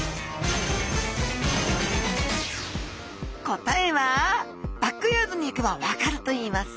答えはバックヤードに行けば分かるといいます